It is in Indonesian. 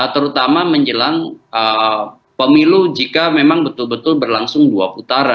terutama menjelang pemilu jika memang betul betul berlangsung dua putaran